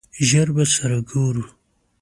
ژر به سره ګورو!